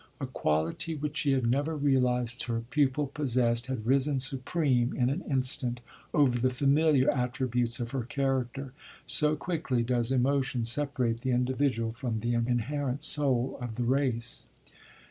A quality which she had never realized her pupil possessed had risen supreme in an instant over the familiar attributes of her character. So quickly does emotion separate the individual from the inherent soul of the race.